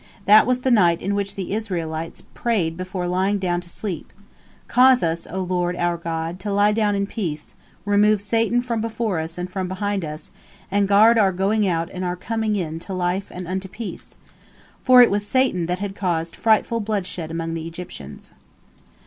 That was the night in which the Israelites prayed before lying down to sleep: "Cause us, O Lord our God, to lie down in peace, remove Satan from before us and from behind us, and guard our going out and our coming in unto life and unto peace," for it was Satan that had caused frightful bloodshed among the Egyptians.